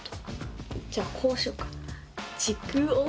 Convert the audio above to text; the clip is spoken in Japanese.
じゃあこうしよっか。